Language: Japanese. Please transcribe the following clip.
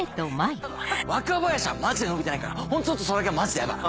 ただ若林はマジで伸びてないからホントちょっとそれだけはマジでヤバい！